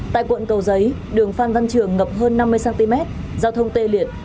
tại quận cầu giấy đường phan văn trường ngập hơn năm mươi cm giao thông tê liệt